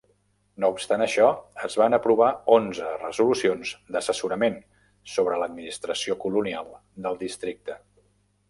No obstant això, es van aprovar onze resolucions d'assessorament sobre l'administració colonial de districte.